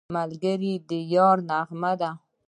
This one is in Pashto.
ملګری د یارۍ نغمه ده